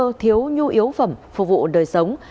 với nguy cơ thiếu nhu yếu phẩm phục vụ đời sống